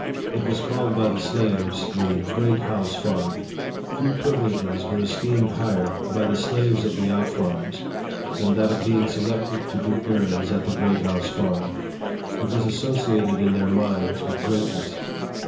It was called by the slaves the Great House Farm. Few privileges were esteemed higher, by the slaves of the out farms, than that of being selected to do errands at the Great House Farm. It was associated in their minds with greatness.